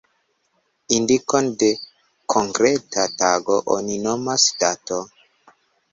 Indikon de konkreta tago oni nomas dato.